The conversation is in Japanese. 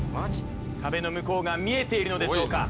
壁の向こうが見えているのでしょうか？